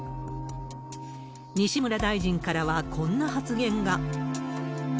西村大臣からは、こんな発言が。